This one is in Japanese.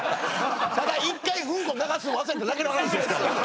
ただ一回ウンコ流すん忘れただけの話ですから。